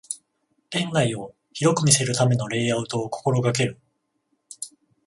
店内を広く見せるためのレイアウトを心がける